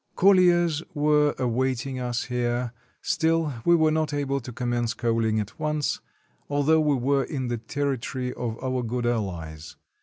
Col liers were awaiting us here; still, we were not able to commence coaling at once, although we were in the ter ritory of our good allies.